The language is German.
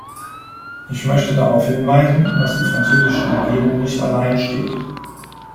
Ich möchte darauf hinweisen, dass die französische Regierung nicht allein steht.